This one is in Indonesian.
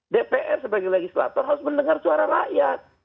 dpr sebagai legislator harus mendengar suara rakyat